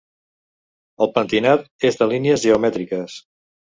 El pentinat és de línies geomètriques.